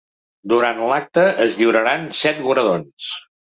Durant l’acte es lliuraran set guardons.